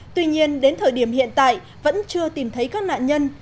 tuy nhiên đến thời điểm hiện tại vẫn chưa tìm thấy các nạn nhân